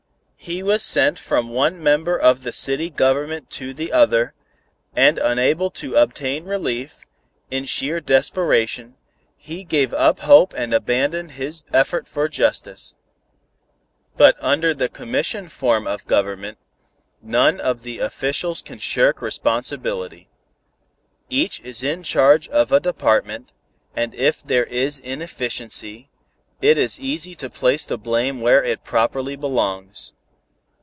He was sent from one member of the city government to the other, and unable to obtain relief, in sheer desperation, he gave up hope and abandoned his effort for justice. But under the commission form of government, none of the officials can shirk responsibility. Each is in charge of a department, and if there is inefficiency, it is easy to place the blame where it properly belongs.